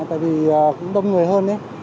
tại vì cũng đông người hơn